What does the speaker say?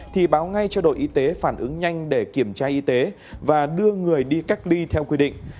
thì báo ngay cho đội y tế phản ứng nhanh để kiểm tra y tế và đưa người đi cách ly theo quy định